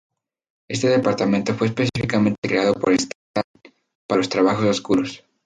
Este departamento fue específicamente creado por Stalin para los "trabajos oscuros".